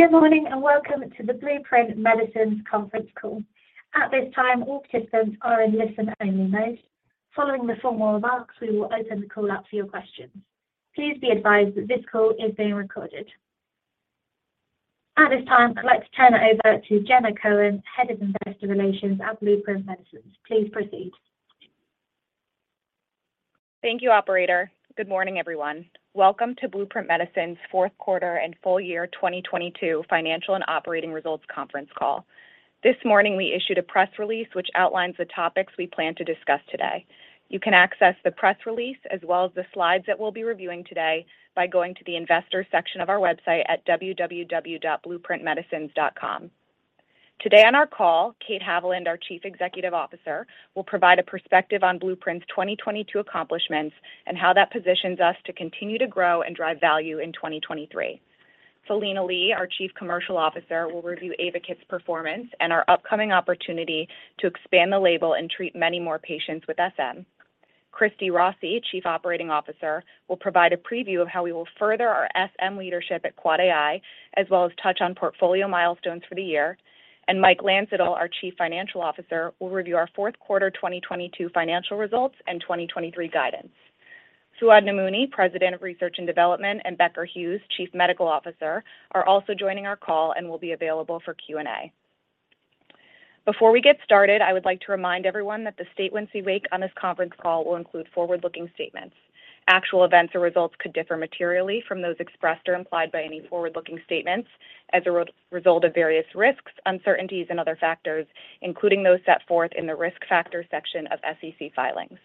Good morning, and welcome to the Blueprint Medicines conference call. At this time, all participants are in listen-only mode. Following the formal remarks, we will open the call up for your questions. Please be advised that this call is being recorded. At this time, I'd like to turn it over to Jenna Cohen, Head of Investor Relations at Blueprint Medicines. Please proceed. Thank you, operator. Good morning, everyone. Welcome to Blueprint Medicines' fourth quarter and full year 2022 financial and operating results conference call. This morning, we issued a press release which outlines the topics we plan to discuss today. You can access the press release as well as the slides that we'll be reviewing today by going to the investor section of our website at www.blueprintmedicines.com. Today on our call, Kate Haviland, our Chief Executive Officer, will provide a perspective on Blueprint's 2022 accomplishments and how that positions us to continue to grow and drive value in 2023. Philina Lee, our Chief Commercial Officer, will review AYVAKIT's performance and our upcoming opportunity to expand the label and treat many more patients with SM. Christi Rossi, Chief Operating Officer, will provide a preview of how we will further our SM leadership at AAAAI, as well as touch on portfolio milestones for the year. Mike Landsittel, our Chief Financial Officer, will review our fourth quarter 2022 financial results and 2023 guidance. Fouad Namouni, President, Research & Development, and Becker Hewes, Chief Medical Officer, are also joining our call and will be available for Q&A. Before we get started, I would like to remind everyone that the statements we make on this conference call will include forward-looking statements. Actual events or results could differ materially from those expressed or implied by any forward-looking statements as a re-result of various risks, uncertainties and other factors, including those set forth in the Risk Factors section of SEC filings.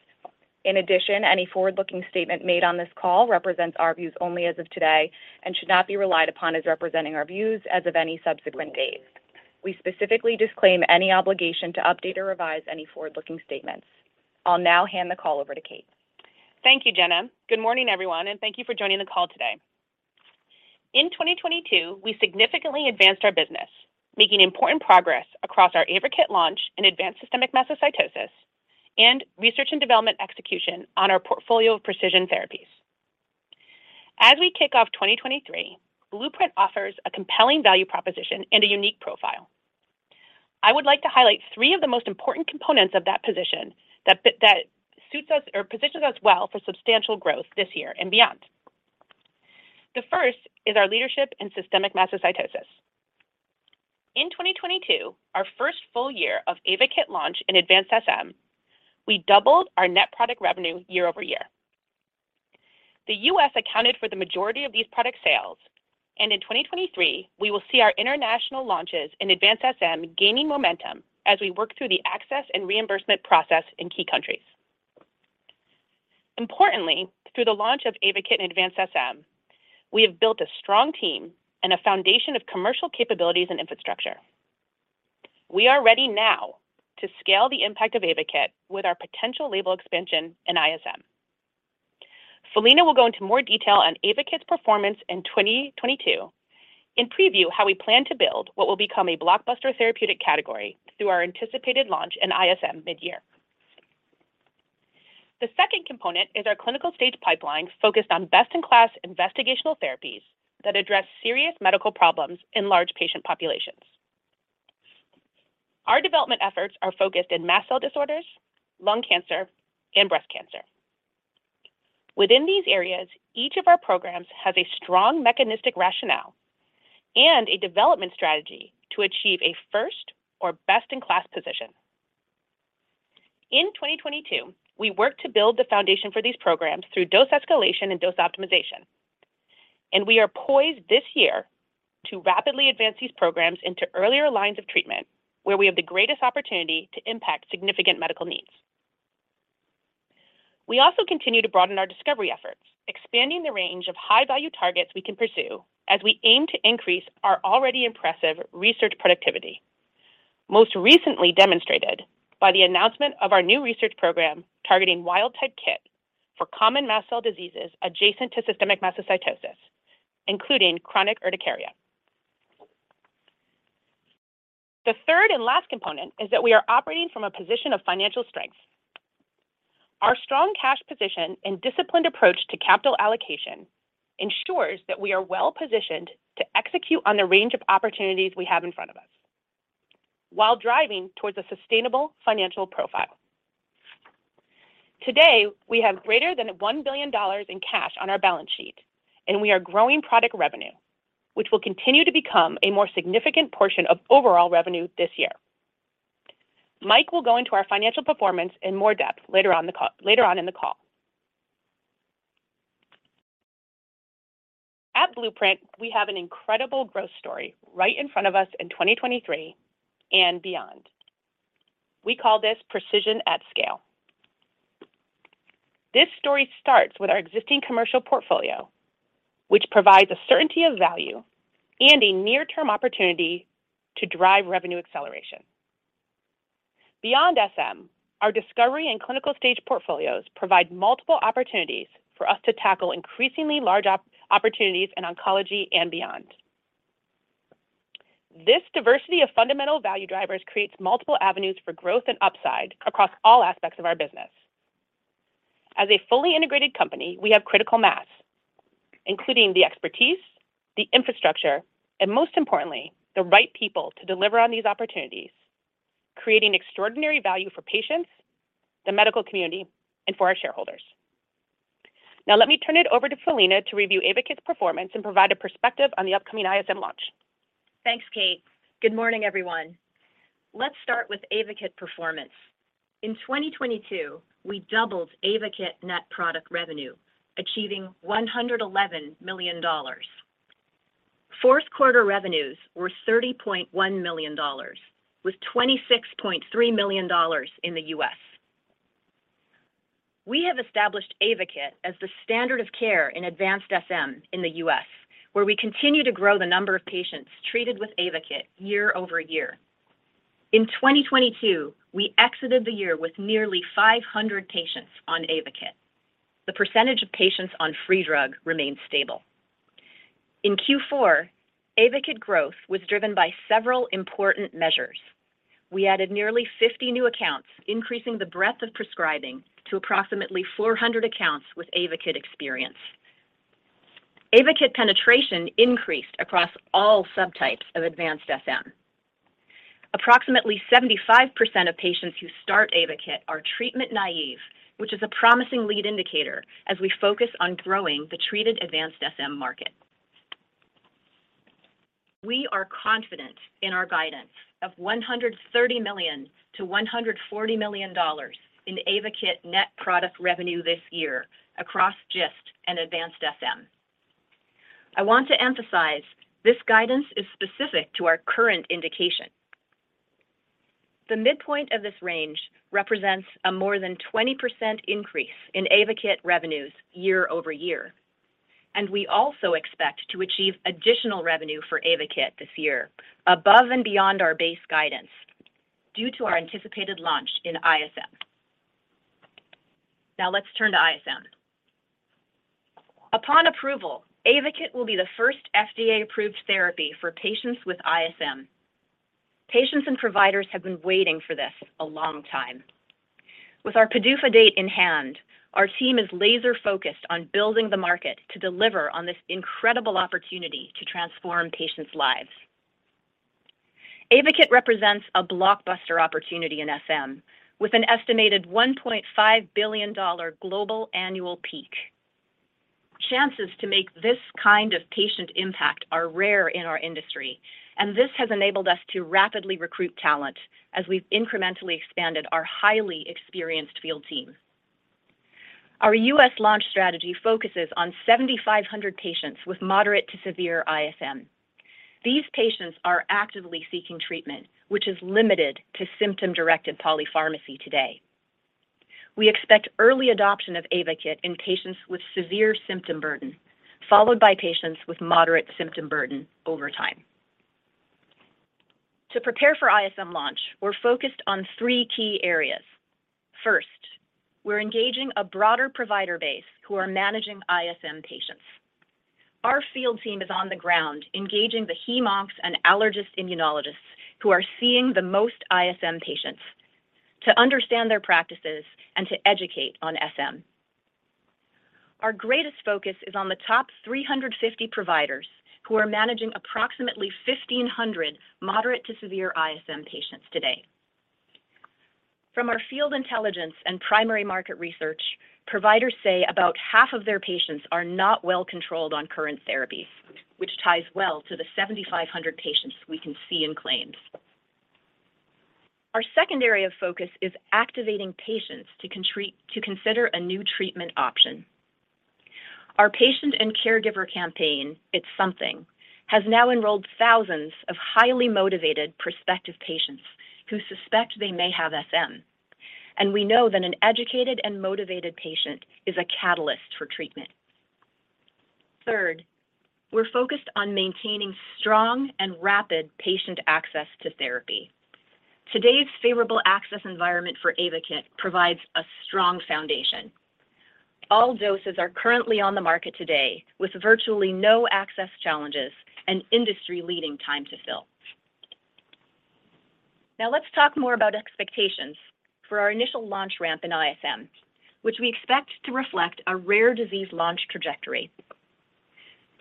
Any forward-looking statement made on this call represents our views only as of today and should not be relied upon as representing our views as of any subsequent date. We specifically disclaim any obligation to update or revise any forward-looking statements. I'll now hand the call over to Kate. Thank you, Jenna. Good morning, everyone, and thank you for joining the call today. In 2022, we significantly advanced our business, making important progress across our AYVAKIT launch in advanced systemic mastocytosis and research and development execution on our portfolio of precision therapies. As we kick off 2023, Blueprint offers a compelling value proposition and a unique profile. I would like to highlight three of the most important components of that position that suits us or positions us well for substantial growth this year and beyond. The first is our leadership in systemic mastocytosis. In 2022, our first full year of AYVAKIT launch in advanced SM, we doubled our net product revenue year-over-year. The U.S. accounted for the majority of these product sales, and in 2023, we will see our international launches in advanced SM gaining momentum as we work through the access and reimbursement process in key countries. Importantly, through the launch of AYVAKIT in advanced SM, we have built a strong team and a foundation of commercial capabilities and infrastructure. We are ready now to scale the impact of AYVAKIT with our potential label expansion in ISM. Philina will go into more detail on AYVAKIT's performance in 2022 and preview how we plan to build what will become a blockbuster therapeutic category through our anticipated launch in ISM mid-year. The second component is our clinical-stage pipeline focused on best-in-class investigational therapies that address serious medical problems in large patient populations. Our development efforts are focused in mast cell disorders, lung cancer, and breast cancer. Within these areas, each of our programs has a strong mechanistic rationale and a development strategy to achieve a first or best-in-class position. In 2022, we worked to build the foundation for these programs through dose escalation and dose optimization, and we are poised this year to rapidly advance these programs into earlier lines of treatment where we have the greatest opportunity to impact significant medical needs. We also continue to broaden our discovery efforts, expanding the range of high-value targets we can pursue as we aim to increase our already impressive research productivity, most recently demonstrated by the announcement of our new research program targeting wild-type KIT for common mast cell diseases adjacent to systemic mastocytosis, including chronic urticaria. The third and last component is that we are operating from a position of financial strength. Our strong cash position and disciplined approach to capital allocation ensures that we are well-positioned to execute on the range of opportunities we have in front of us while driving towards a sustainable financial profile. Today, we have greater than $1 billion in cash on our balance sheet. We are growing product revenue, which will continue to become a more significant portion of overall revenue this year. Mike will go into our financial performance in more depth later on in the call. At Blueprint, we have an incredible growth story right in front of us in 2023 and beyond. We call this precision at scale. This story starts with our existing commercial portfolio, which provides a certainty of value and a near-term opportunity to drive revenue acceleration. Beyond SM, our discovery and clinical stage portfolios provide multiple opportunities for us to tackle increasingly large op-opportunities in oncology and beyond. This diversity of fundamental value drivers creates multiple avenues for growth and upside across all aspects of our business. As a fully integrated company, we have critical mass, including the expertise, the infrastructure, and most importantly, the right people to deliver on these opportunities, creating extraordinary value for patients, the medical community, and for our shareholders. Now let me turn it over to Philina to review AYVAKIT's performance and provide a perspective on the upcoming ISM launch. Thanks, Kate. Good morning, everyone. Let's start with AYVAKIT performance. In 2022, we doubled AYVAKIT net product revenue, achieving $111 million. Fourth quarter revenues were $30.1 million, with $26.3 million in the U.S. We have established AYVAKIT as the standard of care in advanced SM in the U.S., where we continue to grow the number of patients treated with AYVAKIT year-over-year. In 2022, we exited the year with nearly 500 patients on AYVAKIT. The percentage of patients on free drug remained stable. In Q4, AYVAKIT growth was driven by several important measures. We added nearly 50 new accounts, increasing the breadth of prescribing to approximately 400 accounts with AYVAKIT experience. AYVAKIT penetration increased across all subtypes of advanced SM. Approximately 75% of patients who start AYVAKIT are treatment naive, which is a promising lead indicator as we focus on growing the treated advanced SM market. We are confident in our guidance of $130 million-$140 million in AYVAKIT net product revenue this year across GIST and advanced SM. I want to emphasize this guidance is specific to our current indication. The midpoint of this range represents a more than 20% increase in AYVAKIT revenues year-over-year. We also expect to achieve additional revenue for AYVAKIT this year above and beyond our base guidance due to our anticipated launch in ISM. Now let's turn to ISM. Upon approval, AYVAKIT will be the first FDA-approved therapy for patients with ISM. Patients and providers have been waiting for this a long time. With our PDUFA date in hand, our team is laser-focused on building the market to deliver on this incredible opportunity to transform patients' lives. AYVAKIT represents a blockbuster opportunity in SM with an estimated $1.5 billion global annual peak. Chances to make this kind of patient impact are rare in our industry, and this has enabled us to rapidly recruit talent as we've incrementally expanded our highly experienced field team. Our U.S. launch strategy focuses on 7,500 patients with moderate to severe ISM. These patients are actively seeking treatment, which is limited to symptom-directed polypharmacy today. We expect early adoption of AYVAKIT in patients with severe symptom burden, followed by patients with moderate symptom burden over time. To prepare for ISM launch, we're focused on three key areas. First, we're engaging a broader provider base who are managing ISM patients. Our field team is on the ground engaging the heme oncs and allergist immunologists who are seeing the most ISM patients to understand their practices and to educate on SM. Our greatest focus is on the top 350 providers who are managing approximately 1,500 moderate to severe ISM patients today. From our field intelligence and primary market research, providers say about half of their patients are not well-controlled on current therapies, which ties well to the 7,500 patients we can see in claims. Our secondary focus is activating patients to consider a new treatment option. Our patient and caregiver campaign, It's Something, has now enrolled thousands of highly motivated prospective patients who suspect they may have SM. We know that an educated and motivated patient is a catalyst for treatment. Third, we're focused on maintaining strong and rapid patient access to therapy. Today's favorable access environment for AYVAKIT provides a strong foundation. All doses are currently on the market today with virtually no access challenges and industry-leading time to fill. Let's talk more about expectations for our initial launch ramp in ISM, which we expect to reflect a rare disease launch trajectory.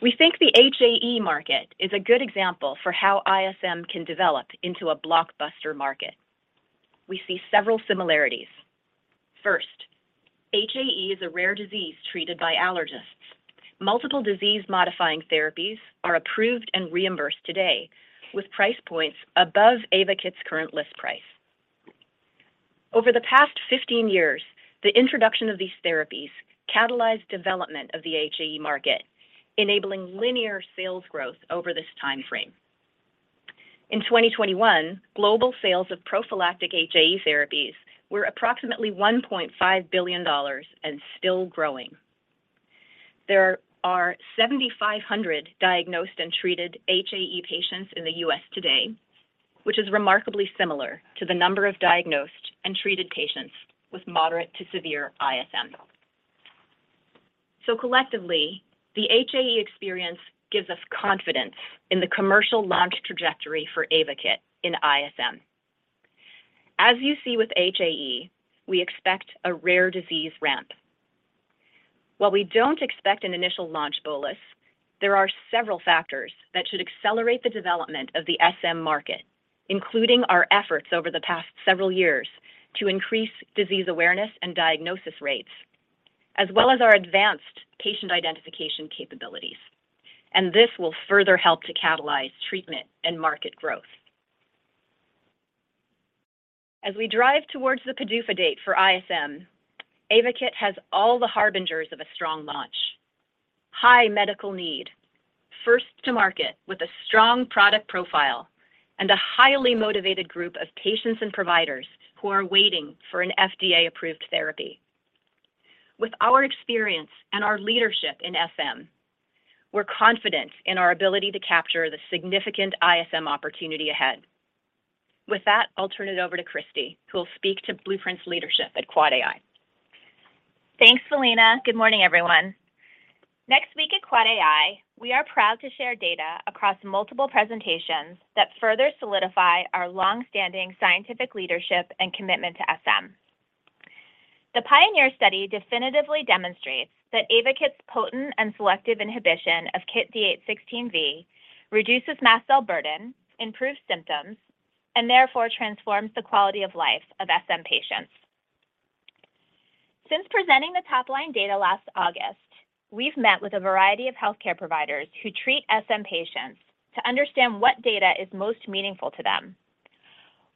We think the HAE market is a good example for how ISM can develop into a blockbuster market. We see several similarities. First, HAE is a rare disease treated by allergists. Multiple disease-modifying therapies are approved and reimbursed today with price points above AYVAKIT's current list price. Over the past 15-years, the introduction of these therapies catalyzed development of the HAE market, enabling linear sales growth over this time frame. In 2021, global sales of prophylactic HAE therapies were approximately $1.5 billion and still growing. There are 7,500 diagnosed and treated HAE patients in the U.S. today, which is remarkably similar to the number of diagnosed and treated patients with moderate to severe ISM. Collectively, the HAE experience gives us confidence in the commercial launch trajectory for AYVAKIT in ISM. As you see with HAE, we expect a rare disease ramp. While we don't expect an initial launch bolus, there are several factors that should accelerate the development of the SM market, including our efforts over the past several years to increase disease awareness and diagnosis rates, as well as our advanced patient identification capabilities. This will further help to catalyze treatment and market growth. As we drive towards the PDUFA date for ISM, AYVAKIT has all the harbingers of a strong launch. High medical need, first to market with a strong product profile, and a highly motivated group of patients and providers who are waiting for an FDA-approved therapy. With our experience and our leadership in SM, we're confident in our ability to capture the significant ISM opportunity ahead. With that, I'll turn it over to Christy, who will speak to Blueprint's leadership at AAAAI. Thanks, Philina. Good morning, everyone. Next week at AAAAI, we are proud to share data across multiple presentations that further solidify our long-standing scientific leadership and commitment to SM. The PIONEER study definitively demonstrates that AYVAKIT's potent and selective inhibition of KIT D816V reduces mast cell burden, improves symptoms, and therefore transforms the quality of life of SM patients. Since presenting the top-line data last August, we've met with a variety of healthcare providers who treat SM patients to understand what data is most meaningful to them.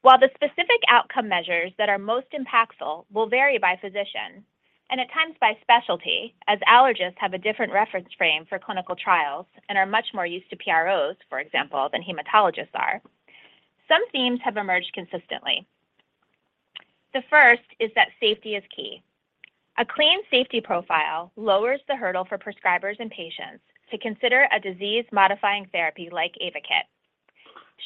While the specific outcome measures that are most impactful will vary by physician, and at times by specialty, as allergists have a different reference frame for clinical trials and are much more used to PROs, for example, than hematologists are, some themes have emerged consistently. The first is that safety is key. A clean safety profile lowers the hurdle for prescribers and patients to consider a disease-modifying therapy like AYVAKIT,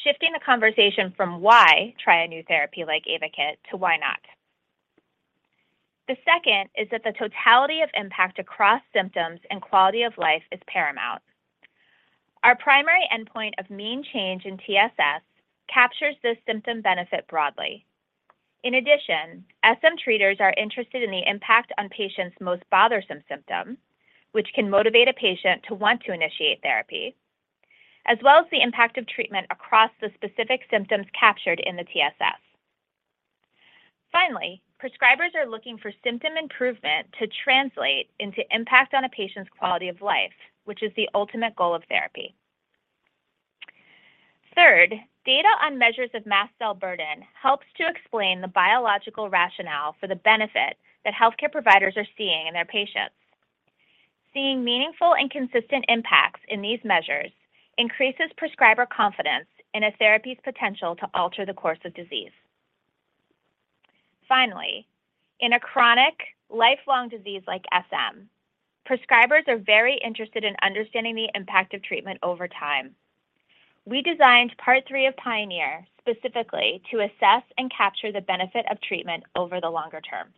shifting the conversation from why try a new therapy like AYVAKIT to why not. The second is that the totality of impact across symptoms and quality of life is paramount. Our primary endpoint of mean change in TSS captures this symptom benefit broadly. In addition, SM treaters are interested in the impact on patients' most bothersome symptoms, which can motivate a patient to want to initiate therapy, as well as the impact of treatment across the specific symptoms captured in the TSS. Finally, prescribers are looking for symptom improvement to translate into impact on a patient's quality of life, which is the ultimate goal of therapy. Third, data on measures of mast cell burden helps to explain the biological rationale for the benefit that healthcare providers are seeing in their patients. Seeing meaningful and consistent impacts in these measures increases prescriber confidence in a therapy's potential to alter the course of disease. Finally, in a chronic, lifelong disease like SM, prescribers are very interested in understanding the impact of treatment over time. We designed Part 3 of PIONEER specifically to assess and capture the benefit of treatment over the longer term.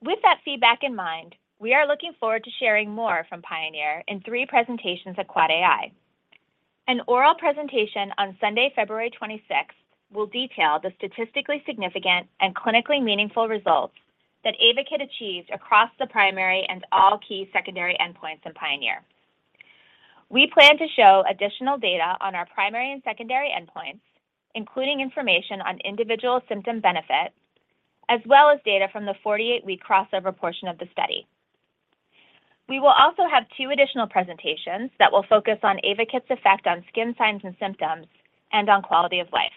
With that feedback in mind, we are looking forward to sharing more from PIONEER in three presentations at AAAAI. An oral presentation on Sunday, February 26th will detail the statistically significant and clinically meaningful results that AYVAKIT achieved across the primary and all key secondary endpoints in PIONEER. We plan to show additional data on our primary and secondary endpoints, including information on individual symptom benefit, as well as data from the 48-week crossover portion of the study. We will also have two additional presentations that will focus on AYVAKIT's effect on skin signs and symptoms and on quality of life.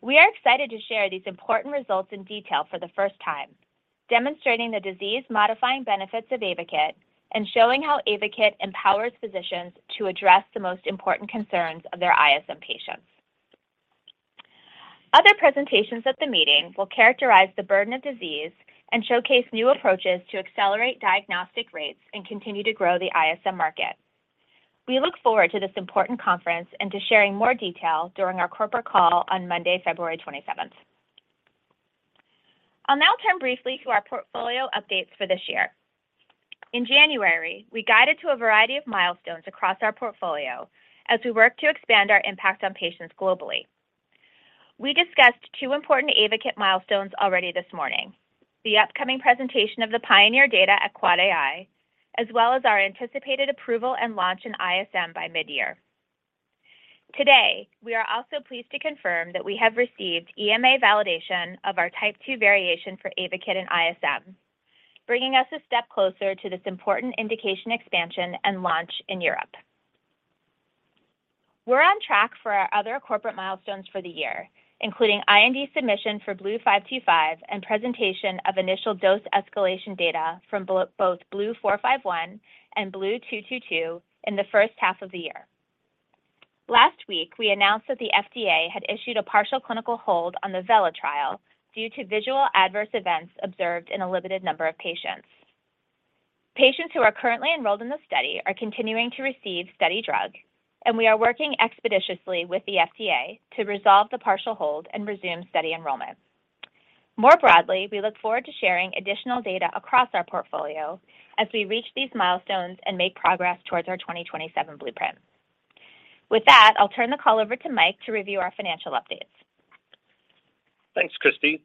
We are excited to share these important results in detail for the first time, demonstrating the disease-modifying benefits of AYVAKIT and showing how AYVAKIT empowers physicians to address the most important concerns of their ISM patients. Other presentations at the meeting will characterize the burden of disease and showcase new approaches to accelerate diagnostic rates and continue to grow the ISM market. We look forward to this important conference and to sharing more detail during our corporate call on Monday, February 27th. I'll now turn briefly to our portfolio updates for this year. In January, we guided to a variety of milestones across our portfolio as we work to expand our impact on patients globally. We discussed two important AYVAKIT milestones already this morning, the upcoming presentation of the PIONEER data at AAAAI, as well as our anticipated approval and launch in ISM by mid-year. Today, we are also pleased to confirm that we have received EMA validation of our Type II variation for AYVAKIT in ISM, bringing us a step closer to this important indication expansion and launch in Europe. We're on track for our other corporate milestones for the year, including IND submission for BLU-525 and presentation of initial dose escalation data from both BLU-451 and BLU-222 in the first half of the year. Last week, we announced that the FDA had issued a partial clinical hold on the VELA trial due to visual adverse events observed in a limited number of patients. Patients who are currently enrolled in the study are continuing to receive study drug, and we are working expeditiously with the FDA to resolve the partial hold and resume study enrollment. More broadly, we look forward to sharing additional data across our portfolio as we reach these milestones and make progress towards our 2027 blueprint. With that, I'll turn the call over to Mike to review our financial updates. Thanks, Christy.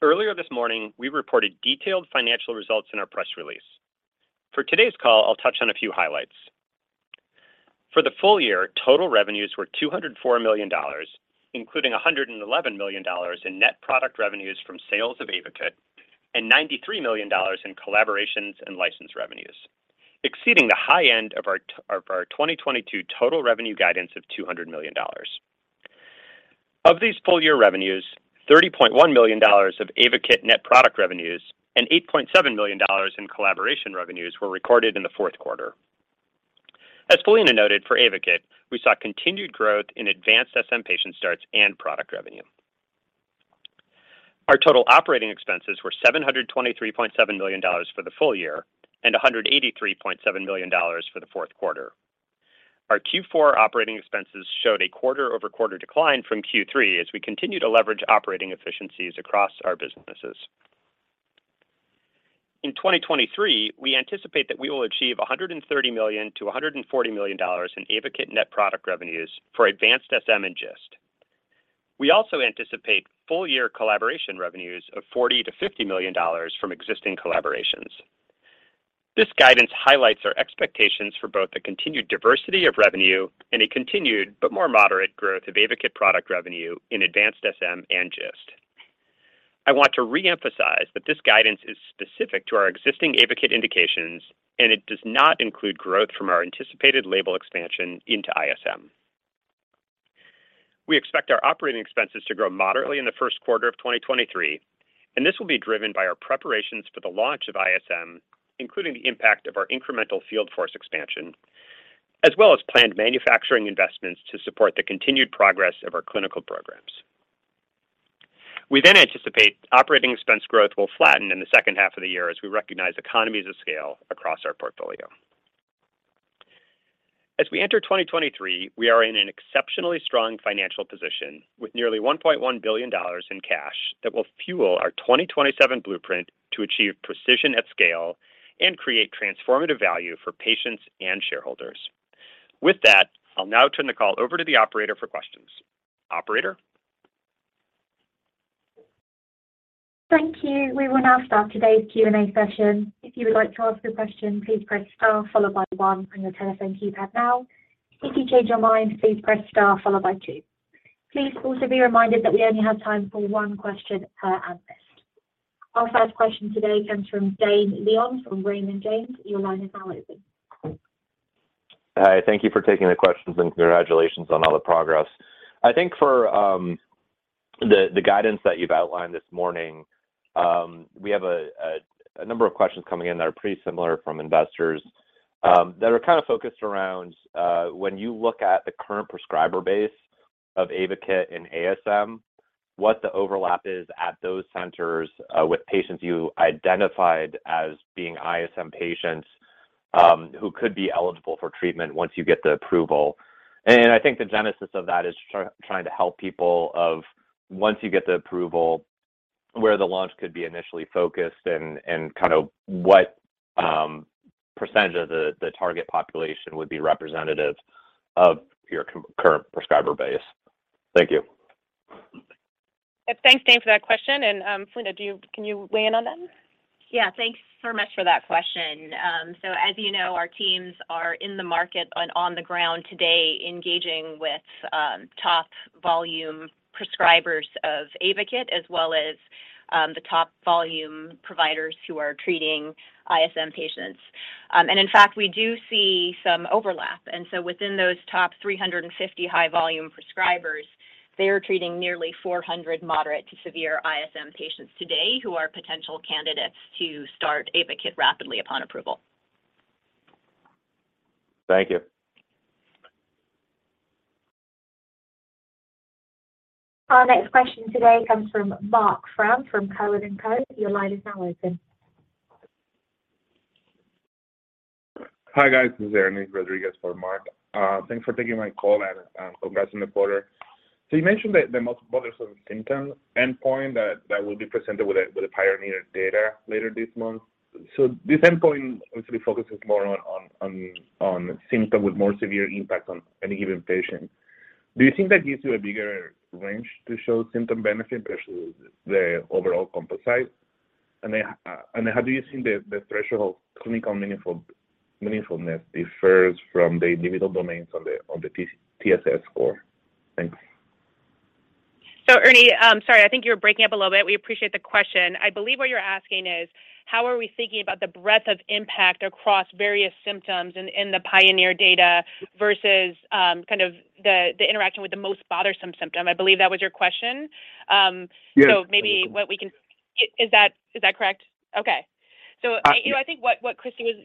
Earlier this morning, we reported detailed financial results in our press release. For today's call, I'll touch on a few highlights. For the full year, total revenues were $204 million, including $111 million in net product revenues from sales of AYVAKIT and $93 million in collaborations and license revenues, exceeding the high end of our 2022 total revenue guidance of $200 million. Of these full year revenues, $30.1 million of AYVAKIT net product revenues and $8.7 million in collaboration revenues were recorded in the fourth quarter. As Philina Lee noted for AYVAKIT, we saw continued growth in advanced SM patient starts and product revenue. Our total operating expenses were $723.7 million for the full year and $183.7 million for the fourth quarter. Our Q4 operating expenses showed a quarter-over-quarter decline from Q3 as we continue to leverage operating efficiencies across our businesses. In 2023, we anticipate that we will achieve $130 million-$140 million in AYVAKIT net product revenues for advanced SM and GIST. We also anticipate full year collaboration revenues of $40 million-$50 million from existing collaborations. This guidance highlights our expectations for both the continued diversity of revenue and a continued but more moderate growth of AYVAKIT product revenue in advanced SM and GIST. I want to reemphasize that this guidance is specific to our existing AYVAKIT indications, and it does not include growth from our anticipated label expansion into ISM. We expect our operating expenses to grow moderately in the first quarter of 2023, and this will be driven by our preparations for the launch of ISM, including the impact of our incremental field force expansion, as well as planned manufacturing investments to support the continued progress of our clinical programs. We anticipate operating expense growth will flatten in the second half of the year as we recognize economies of scale across our portfolio. As we enter 2023, we are in an exceptionally strong financial position with nearly $1.1 billion in cash that will fuel our 2027 blueprint to achieve precision at scale and create transformative value for patients and shareholders. With that, I'll now turn the call over to the operator for questions. Operator? Thank you. We will now start today's Q&A session. If you would like to ask a question, please press star followed by one from your telephone keypad now. If you change your mind, please press star followed by two. Please also be reminded that we only have time for one question per analyst. Our first question today comes from Dane Leone from Raymond James. Your line is now open. Hi, thank you for taking the questions. Congratulations on all the progress. I think for the guidance that you've outlined this morning, we have a number of questions coming in that are pretty similar from investors that are kind of focused around when you look at the current prescriber base of AYVAKIT and ASM, what the overlap is at those centers with patients you identified as being ISM patients who could be eligible for treatment once you get the approval. I think the genesis of that is trying to help people of once you get the approval, where the launch could be initially focused and kind of what % of the target population would be representative of your current prescriber base. Thank you. Thanks, Dane, for that question. Philina, can you weigh in on that? Thanks so much for that question. As you know, our teams are in the market and on the ground today engaging with top volume prescribers of AYVAKIT as well as the top volume providers who are treating ISM patients. In fact, we do see some overlap. Within those top 350 high volume prescribers, they are treating nearly 400 moderate to severe ISM patients today who are potential candidates to start AYVAKIT rapidly upon approval. Thank you. Our next question today comes from Marc Frahm from Cowen and Co. Your line is now open. Hi, guys. This is Eric Schmidt for Marc. Thanks for taking my call and congrats on the quarter. You mentioned the most bothersome symptom endpoint that will be presented with a PIONEER data later this month. This endpoint obviously focuses more on symptom with more severe impact on any given patient. Do you think that gives you a bigger range to show symptom benefit versus the overall composite? Then how do you think the threshold of clinical meaningfulness differs from the individual domains on the TSS score? Thanks. Eric, sorry, I think you were breaking up a little bit. We appreciate the question. I believe what you're asking is, how are we thinking about the breadth of impact across various symptoms in the PIONEER data versus kind of the interaction with the most bothersome symptom? I believe that was your question. Maybe what we can... Is that, is that correct? Okay. You know, I think what Christy was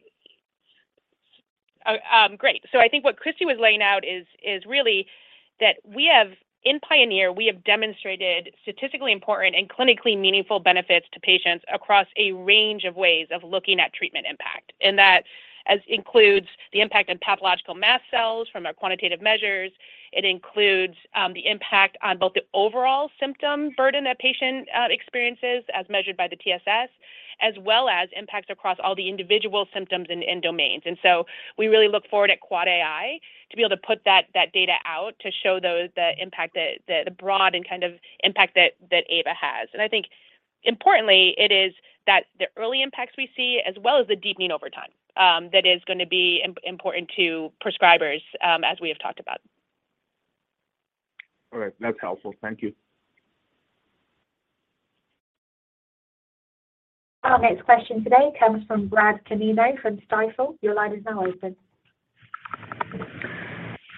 great. I think what Christy was laying out is really that we have in PIONEER, we have demonstrated statistically important and clinically meaningful benefits to patients across a range of ways of looking at treatment impact. That as includes the impact on pathological mast cells from our quantitative measures, it includes the impact on both the overall symptom burden a patient experiences as measured by the TSS, as well as impacts across all the individual symptoms and domains. We really look forward at AAAAI to be able to put that data out to show the impact that the broad and kind of impact that AYVAKIT has. I think importantly, it is that the early impacts we see as well as the deepening over time, that is gonna be important to prescribers, as we have talked about. All right. That's helpful. Thank you. Our next question today comes from Bradley Canino from Stifel. Your line is now open.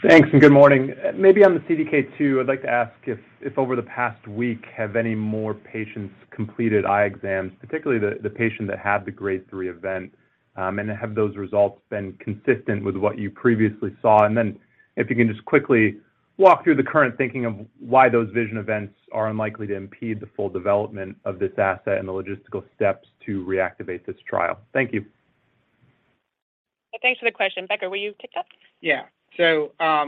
Thanks, good morning. Maybe on the CDK2, I'd like to ask if over the past week, have any more patients completed eye exams, particularly the patient that had the grade three event, have those results been consistent with what you previously saw? If you can just quickly walk through the current thinking of why those vision events are unlikely to impede the full development of this asset and the logistical steps to reactivate this trial. Thank you. Thanks for the question. Becker, will you kick us off? Yeah.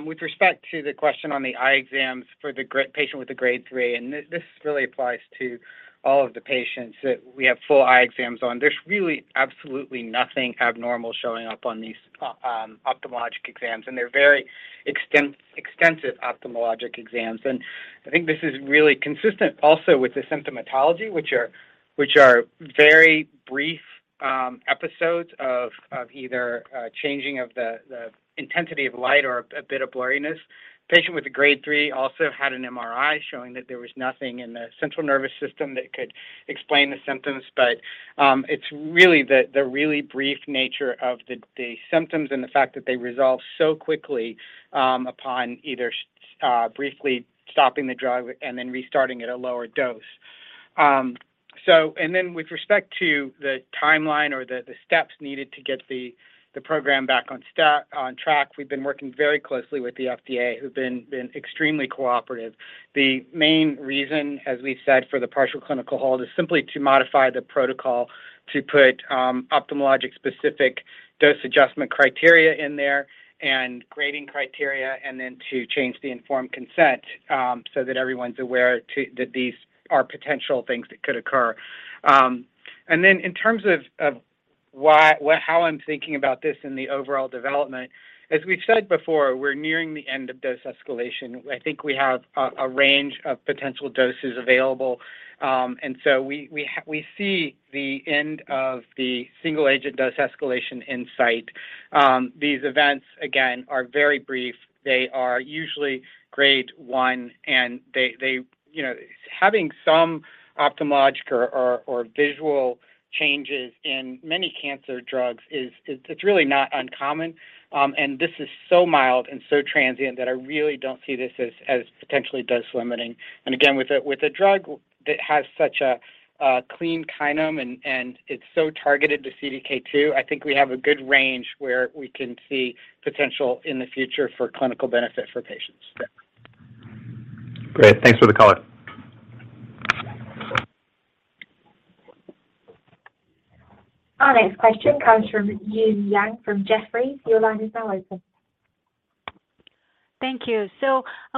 With respect to the question on the eye exams for the patient with the grade three, this really applies to all of the patients that we have full eye exams on. There's really absolutely nothing abnormal showing up on these ophthalmologic exams, and they're very extensive ophthalmologic exams. I think this is really consistent also with the symptomatology, which are very brief episodes of either changing of the intensity of light or a bit of blurriness. Patient with a grade three also had an MRI showing that there was nothing in the central nervous system that could explain the symptoms. It's really the really brief nature of the symptoms and the fact that they resolve so quickly, upon either briefly stopping the drug and then restarting at a lower dose. With respect to the timeline or the steps needed to get the program back on track, we've been working very closely with the FDA, who've been extremely cooperative. The main reason, as we've said, for the partial clinical hold is simply to modify the protocol to put ophthalmologic-specific dose adjustment criteria in there and grading criteria, and then to change the informed consent, so that everyone's aware that these are potential things that could occur. In terms of how I'm thinking about this in the overall development, as we've said before, we're nearing the end of dose escalation. I think we have a range of potential doses available. We see the end of the single agent dose escalation in sight. These events, again, are very brief. They are usually grade one, and they, you know, having some ophthalmologic or visual changes in many cancer drugs, it's really not uncommon. This is so mild and so transient that I really don't see this as potentially dose limiting. Again, with a drug that has such a clean kinome and it's so targeted to CDK2, I think we have a good range where we can see potential in the future for clinical benefit for patients. Yeah. Great. Thanks for the color. Our next question comes from Eun Yang from Jefferies. Your line is now open. Thank you.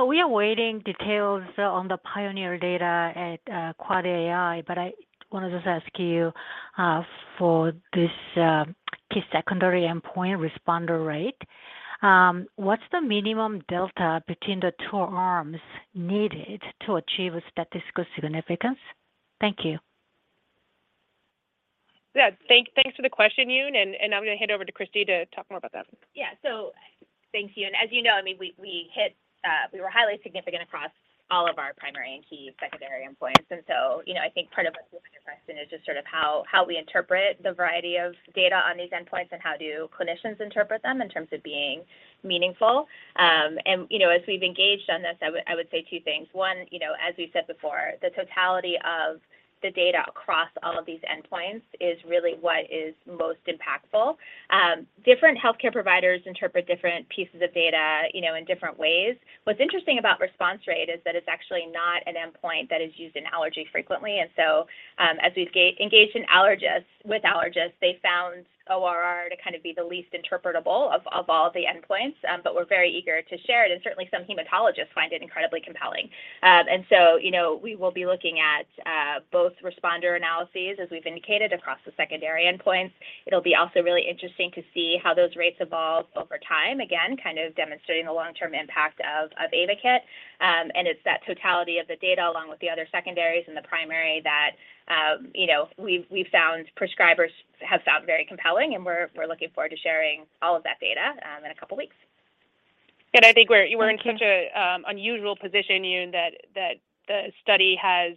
We are waiting details on the PIONEER data at AAAAI, but I wanna just ask you for this key secondary endpoint responder rate, what's the minimum delta between the two arms needed to achieve a statistical significance? Thank you. Yeah. Thanks for the question, Eun. I'm gonna hand over to Christy to talk more about that. Thank you. As you know, I mean, we hit, we were highly significant across all of our primary and key secondary endpoints. You know, I think part of what's left in question is just sort of how we interpret the variety of data on these endpoints and how do clinicians interpret them in terms of being meaningful. You know, as we've engaged on this, I would say two things. One, you know, as we've said before, the totality of the data across all of these endpoints is really what is most impactful. Different healthcare providers interpret different pieces of data, you know, in different ways. What's interesting about response rate is that it's actually not an endpoint that is used in allergy frequently. As we've engaged with allergists, they found ORR to kind of be the least interpretable of all the endpoints, but we're very eager to share it, and certainly some hematologists find it incredibly compelling. you know, we will be looking at both responder analyses, as we've indicated across the secondary endpoints. It'll be also really interesting to see how those rates evolve over time, again, kind of demonstrating the long-term impact of AYVAKIT. It's that totality of the data along with the other secondaries and the primary that, you know, we've found prescribers have found very compelling, and we're looking forward to sharing all of that data in a couple weeks. I think we're in such a unusual position, Yun, that the study has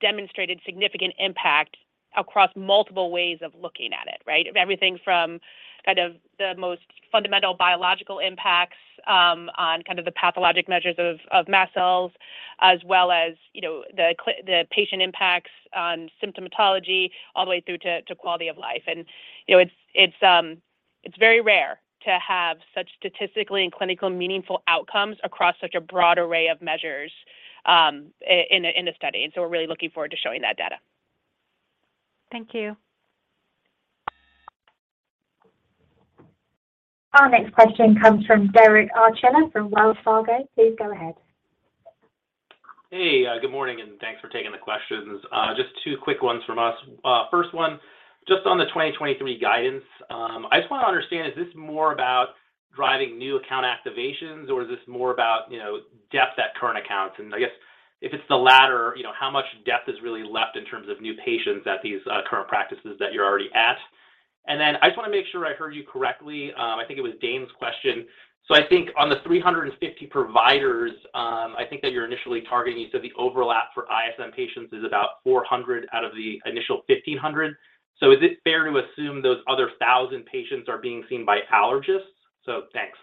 demonstrated significant impact across multiple ways of looking at it, right? Of everything from kind of the most fundamental biological impacts on kind of the pathologic measures of mast cells, as well as, you know, the patient impacts on symptomatology all the way through to quality of life. You know, it's very rare to have such statistically and clinical meaningful outcomes across such a broad array of measures in a study. We're really looking forward to showing that data. Thank you. Our next question comes from Derek Archila from Wells Fargo. Please go ahead. Hey. Good morning, thanks for taking the questions. Just two quick ones from us. First one, just on the 2023 guidance, I just wanna understand, is this more about driving new account activations, or is this more about, you know, depth at current accounts? I guess if it's the latter, you know, how much depth is really left in terms of new patients at these current practices that you're already at? I just wanna make sure I heard you correctly, I think it was Dane's question. I think on the 350 providers, I think that you're initially targeting, you said the overlap for ISM patients is about 400 out of the initial 1,500. Is it fair to assume those other 1,000 patients are being seen by allergists? Thanks.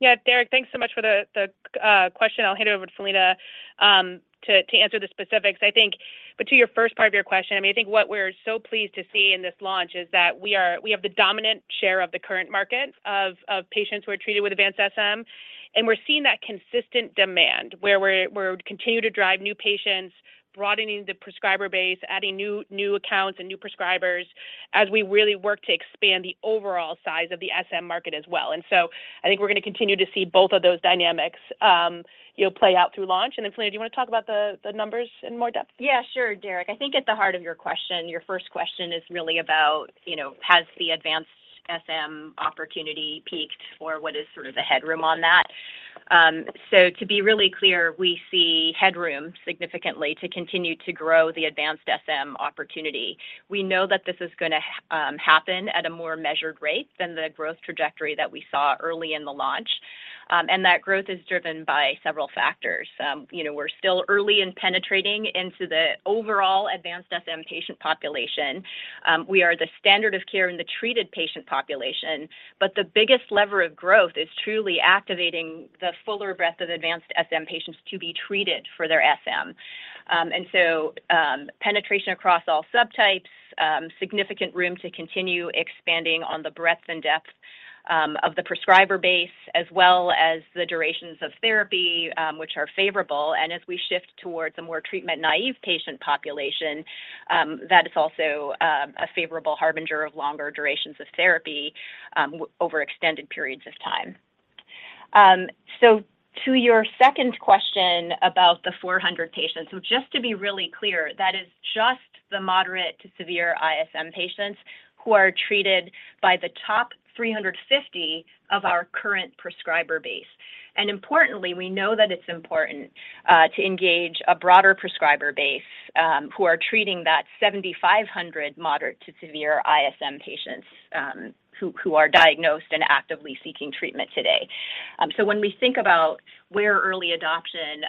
Yeah. Derek, thanks so much for the question. I'll hand it over to Philina to answer the specifics. But to your first part of your question, I mean, I think what we're so pleased to see in this launch is that we have the dominant share of the current market of patients who are treated with advanced SM, and we're seeing that consistent demand where we continue to drive new patients, broadening the prescriber base, adding new accounts and new prescribers as we really work to expand the overall size of the SM market as well. I think we're gonna continue to see both of those dynamics, you'll play out through launch. Philina, do you wanna talk about the numbers in more depth? Yeah. Sure, Derek. I think at the heart of your question, your first question is really about, you know, has the advanced SM opportunity peaked, or what is sort of the headroom on that? To be really clear, we see headroom significantly to continue to grow the advanced SM opportunity. We know that this is gonna happen at a more measured rate than the growth trajectory that we saw early in the launch, that growth is driven by several factors. You know, we're still early in penetrating into the overall advanced SM patient population. We are the standard of care in the treated patient population, the biggest lever of growth is truly activating the fuller breadth of advanced SM patients to be treated for their SM. Penetration across all subtypes, significant room to continue expanding on the breadth and depth of the prescriber base as well as the durations of therapy, which are favorable. As we shift towards a more treatment-naive patient population, that is also a favorable harbinger of longer durations of therapy over extended periods of time. To your second question about the 400 patients. Just to be really clear, that is just the moderate to severe ISM patients who are treated by the top 350 of our current prescriber base. Importantly, we know that it's important to engage a broader prescriber base who are treating that 7,500 moderate to severe ISM patients who are diagnosed and actively seeking treatment today. When we think about where early adoption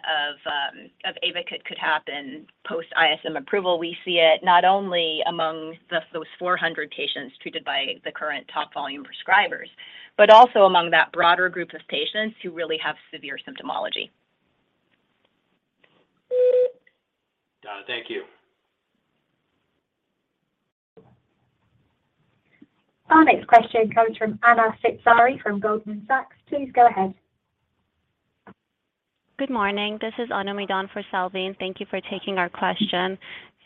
of AYVAKIT could happen post ISM approval, we see it not only among those 400 patients treated by the current top volume prescribers but also among that broader group of patients who really have severe symptomatology. Thank you. Our next question comes from Salveen Richter from Goldman Sachs. Please go ahead. Good morning. This is Anna Madan for Salveen. Thank you for taking our question.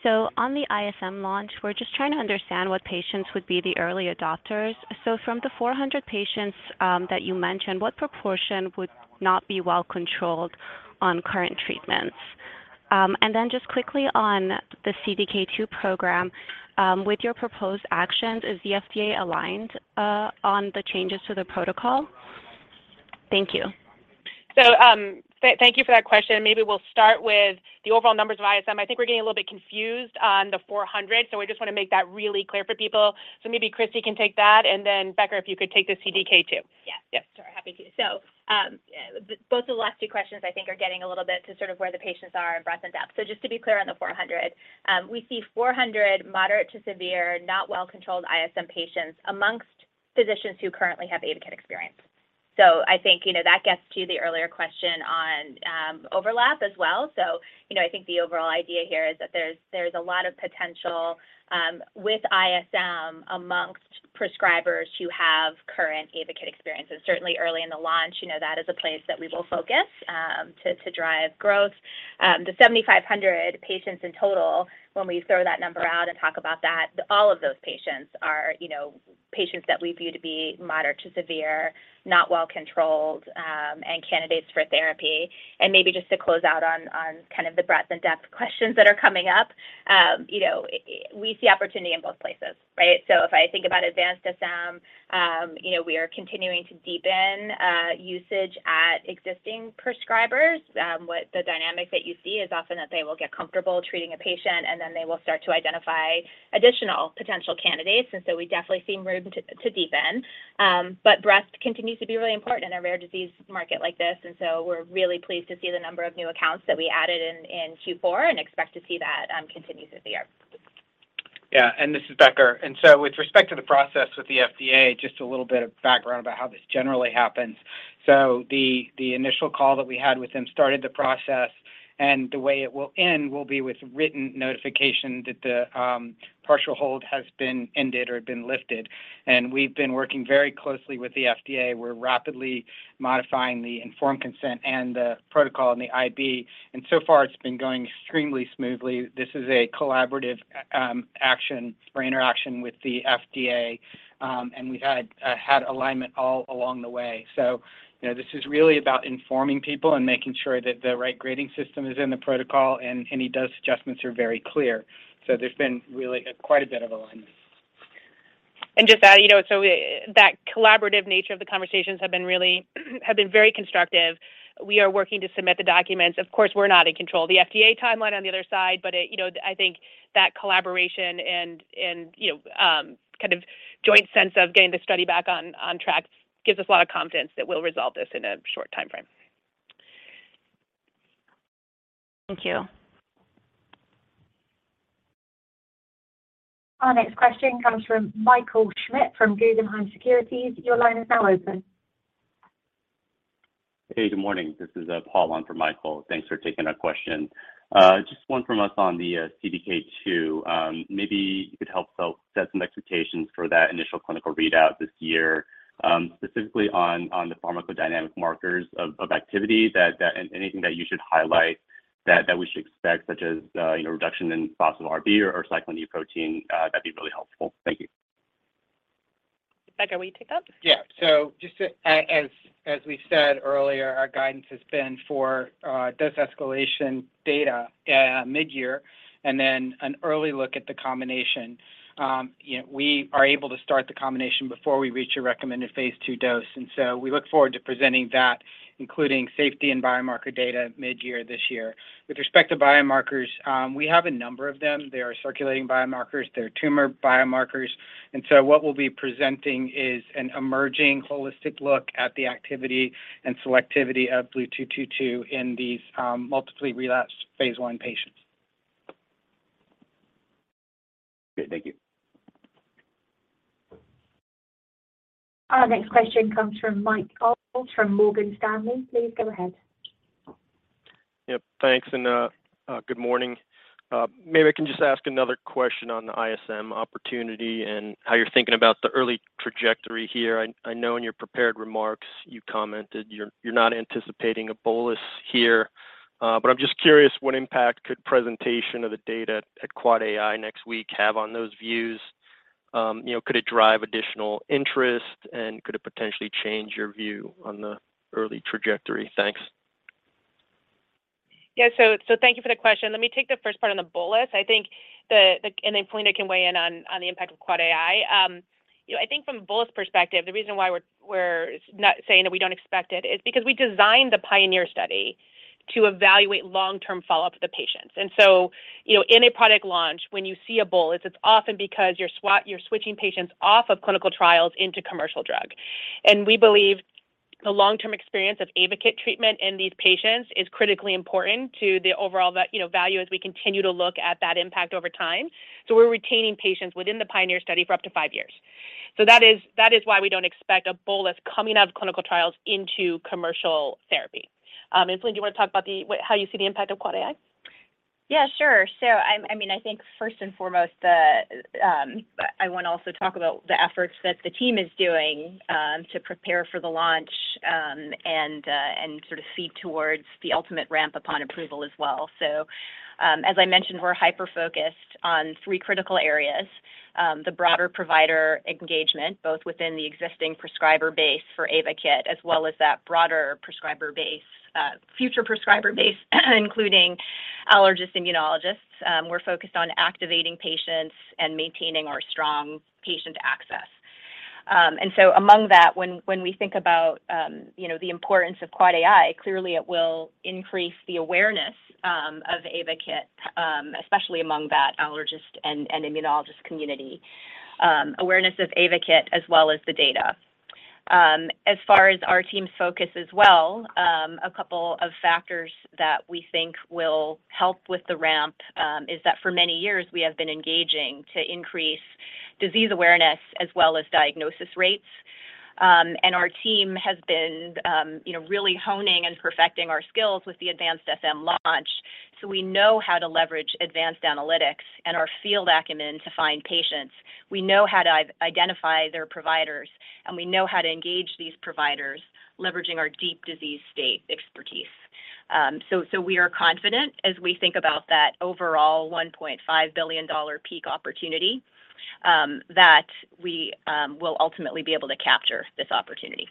On the ISM launch, we're just trying to understand what patients would be the early adopters. From the 400 patients that you mentioned, what proportion would not be well controlled on current treatments? Then just quickly on the CDK2 program, with your proposed actions, is the FDA aligned on the changes to the protocol? Thank you. Thank you for that question, and maybe we'll start with the overall numbers of ISM. I think we're getting a little bit confused on the 400, so we just wanna make that really clear for people. Maybe Christi can take that, and then, Becker, if you could take the CDK2. Yeah. Yes. Sorry. Happy to. Both of the last two questions, I think are getting a little bit to sort of where the patients are in breadth and depth. Just to be clear on the 400, we see 400 moderate to severe, not well-controlled ISM patients amongst physicians who currently have AYVAKIT experience. I think, you know, that gets to the earlier question on overlap as well. You know, I think the overall idea here is that there's a lot of potential with ISM amongst prescribers who have current AYVAKIT experience. Certainly early in the launch, you know, that is a place that we will focus to drive growth. The 7,500 patients in total, when we throw that number out and talk about that, all of those patients are, you know, patients that we view to be moderate to severe, not well controlled, and candidates for therapy. Maybe just to close out on kind of the breadth and depth questions that are coming up, you know, we see opportunity in both places, right? If I think about advanced SM, you know, we are continuing to deepen usage at existing prescribers. What the dynamic that you see is often that they will get comfortable treating a patient, and then they will start to identify additional potential candidates. We definitely see room to deepen. Breadth continues to be really important in a rare disease market like this, and so we're really pleased to see the number of new accounts that we added in Q4 and expect to see that continue through the year. Yeah. This is Becker. With respect to the process with the FDA, just a little bit of background about how this generally happens. The initial call that we had with them started the process. The way it will end will be with written notification that the partial hold has been ended or been lifted. We've been working very closely with the FDA. We're rapidly modifying the informed consent and the protocol and the IB, and so far it's been going extremely smoothly. This is a collaborative action or interaction with the FDA, and we've had alignment all along the way. You know, this is really about informing people and making sure that the right grading system is in the protocol and any dose adjustments are very clear. There's been really quite a bit of alignment. Just add, you know, so that collaborative nature of the conversations have been very constructive. We are working to submit the documents. Of course, we're not in control of the FDA timeline on the other side, you know, I think that collaboration and, you know, kind of joint sense of getting the study back on track gives us a lot of confidence that we'll resolve this in a short time frame. Thank you. Our next question comes from Michael Schmidt from Guggenheim Securities. Your line is now open. Hey, good morning. This is Paul on for Michael. Thanks for taking our question. Just one from us on the CDK2. Maybe you could help set some expectations for that initial clinical readout this year, specifically on the pharmacodynamic markers of activity and anything that you should highlight that we should expect, such as, you know, reduction in phospho-Rb or cyclin E protein, that'd be really helpful. Thank you. Becker, will you take that? Yeah. Just as we said earlier, our guidance has been for dose escalation data at mid-year and then an early look at the combination. You know, we are able to start the combination before we reach a recommended phase II dose, and so we look forward to presenting that, including safety and biomarker data mid-year this year. With respect to biomarkers, we have a number of them. They are circulating biomarkers. They are tumor biomarkers. What we'll be presenting is an emerging holistic look at the activity and selectivity of BLU-222 in these multiply relapsed phase I patients. Great. Thank you. Our next question comes from Michael Ulz from Morgan Stanley. Please go ahead. Yep. Thanks. Good morning. Maybe I can just ask another question on the ISM opportunity and how you're thinking about the early trajectory here? I know in your prepared remarks you commented you're not anticipating a bolus here, but I'm just curious what impact could presentation of the data at AAAAI next week have on those views? You know, could it drive additional interest, and could it potentially change your view on the early trajectory? Thanks. Yeah. Thank you for the question. Let me take the first part on the bolus. I think and then Philina can weigh in on the impact of Quad AI. You know, I think from a bolus perspective, the reason why we're not saying that we don't expect it is because we designed the PIONEER study to evaluate long-term follow-up with the patients. You know, in a product launch, when you see a bolus, it's often because you're switching patients off of clinical trials into commercial drug. We believe the long-term experience of AYVAKIT treatment in these patients is critically important to the overall, you know, value as we continue to look at that impact over time. We're retaining patients within the PIONEER study for up to five years. That is why we don't expect a bolus coming out of clinical trials into commercial therapy. Philina, do you want to talk about how you see the impact of AAAAI? Yeah, sure. I mean, I think first and foremost, I want to also talk about the efforts that the team is doing to prepare for the launch and sort of feed towards the ultimate ramp upon approval as well. As I mentioned, we're hyper-focused on three critical areas. The broader provider engagement, both within the existing prescriber base for AYVAKIT as well as that broader prescriber base, future prescriber base, including allergists, immunologists. We're focused on activating patients and maintaining our strong patient access. Among that, when we think about, you know, the importance of AAAAI, clearly it will increase the awareness of AYVAKIT, especially among that allergist and immunologist community, awareness of AYVAKIT as well as the data. As far as our team's focus as well, a couple of factors that we think will help with the ramp, is that for many years we have been engaging to increase disease awareness as well as diagnosis rates. Our team has been, you know, really honing and perfecting our skills with the Advanced SM launch, so we know how to leverage advanced analytics and our field acumen to find patients. We know how to identify their providers, and we know how to engage these providers, leveraging our deep disease state expertise. We are confident as we think about that overall $1.5 billion peak opportunity, that we will ultimately be able to capture this opportunity.